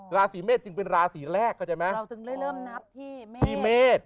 ราศีเมษจึงเป็นราศีแรกเข้าใจไหมเราจึงได้เริ่มนับที่เมษ